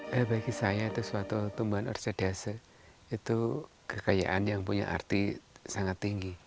ya bagi saya itu suatu tumbuhan orsedase itu kekayaan yang punya arti sangat tinggi